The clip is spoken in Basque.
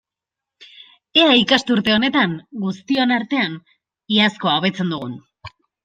Ea ikasturte honetan, guztion artean, iazkoa hobetzen dugun!